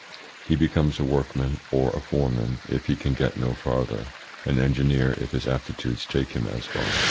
He becomes a workman or a foreman if he can get no further, an engineer if his aptitudes take him as far.